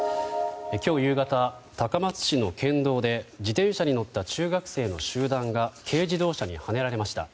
今日夕方、高松市の県道で自転車に乗った中学生の集団が軽自動車にはねられました。